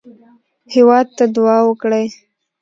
هېواد ته دعا وکړئ